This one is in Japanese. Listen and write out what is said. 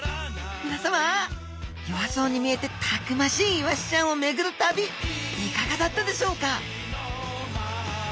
みなさま弱そうに見えてたくましいイワシちゃんをめぐる旅いかがだったでしょうか？